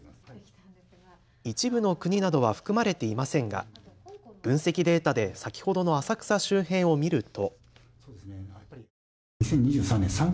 一部の国などは含まれていませんが分析データで先ほどの浅草周辺を見ると。